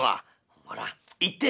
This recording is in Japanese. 「ほら言って」。